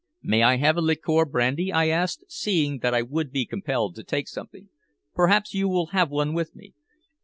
"May I have a liqueur brandy?" I asked, seeing that I would be compelled to take something. "Perhaps you will have one with me?"